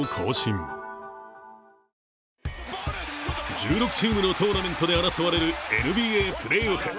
１６チームのトーナメントで争われるＮＢＡプレーオフ。